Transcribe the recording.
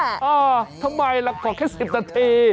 เออทำไมล่ะขอแค่๑๐นาที